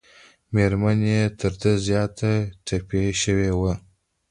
مېرمن یې تر ده زیاته ټپي شوې وه.